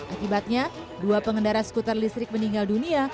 akibatnya dua pengendara skuter listrik meninggal dunia